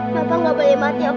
papa gak boleh mati ya pak